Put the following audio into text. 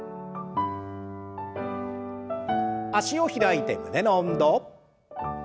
脚を開いて胸の運動。